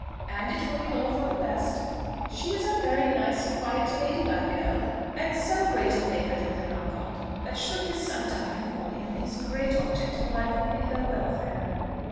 And it will be all for the best. She is a very nice, quiet, lady like girl, and so great a favourite with her uncle, that should his son die before him, his great object in life will be her welfare.